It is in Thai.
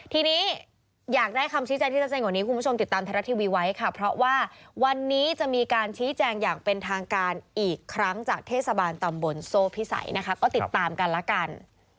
ทีนี้อยากได้คำชี้แจงที่สำคัญกว่านี้